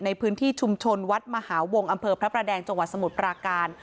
ในพื้นที่ชุมชนวัดมหาวงศ์อำเภอพระประแดงจังหวัดสมุทรปราการ